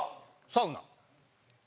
サウナ。